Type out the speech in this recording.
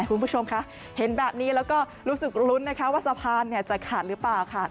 คุณผู้ชมคะเห็นแบบนี้แล้วก็รู้สึกลุ้นนะคะว่าสะพานจะขาดหรือเปล่าค่ะ